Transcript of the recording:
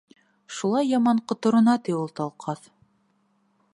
Шулай яман ҡоторона, ти, ул Талҡаҫ.